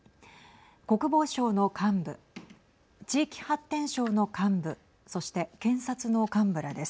国防省の幹部地域発展省の幹部そして検察の幹部らです。